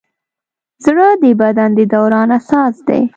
زړه د بدن د دوران اساس دی.